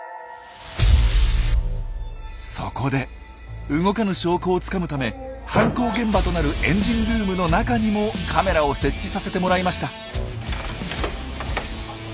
そこで動かぬ証拠をつかむため犯行現場となるエンジンルームの中にもカメラを設置させてもらいました。